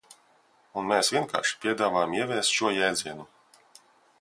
Un mēs vienkārši piedāvājam ieviest šo jēdzienu.